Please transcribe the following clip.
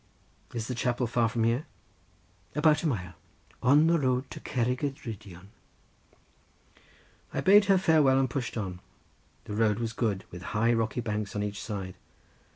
"Is the chapel far from here?" "About a mile." "On the road to Cerrig y Drudion?" "On the road to Cerrig y Drudion." I bade her farewell and pushed on—the road was good, with high rocky banks on each side.